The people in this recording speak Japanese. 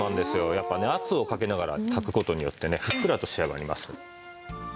やっぱね圧をかけながら炊く事によってねふっくらと仕上がります。